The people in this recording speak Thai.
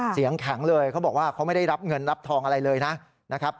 เสียงแข็งเลยเขาบอกว่าเขาไม่ได้รับเงินรับทองอะไรเลยนะครับ